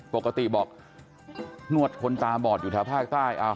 ปกติบอกนวดคนตาบอดอยู่แถวภาคใต้